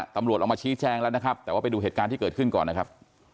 ตำรวจออกมาชี้แจงแล้วนะครับแต่ว่าไปดูเหตุการณ์ที่เกิดขึ้นก่อนนะครับ